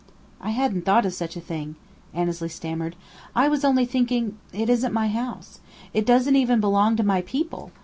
"I hadn't thought of such a thing," Annesley stammered. "I was only thinking it isn't my house. It doesn't even belong to my people.